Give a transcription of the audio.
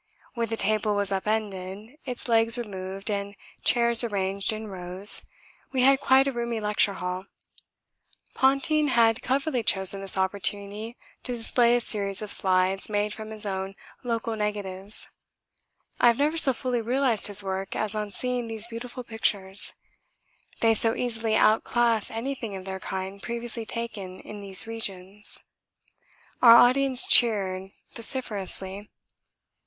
When the table was upended, its legs removed, and chairs arranged in rows, we had quite a roomy lecture hall. Ponting had cleverly chosen this opportunity to display a series of slides made from his own local negatives. I have never so fully realised his work as on seeing these beautiful pictures; they so easily outclass anything of their kind previously taken in these regions. Our audience cheered vociferously.